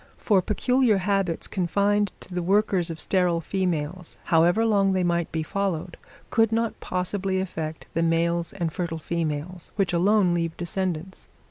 For peculiar habits, confined to the workers of sterile females, however long they might be followed, could not possibly affect the males and fertile females, which alone leave descendants.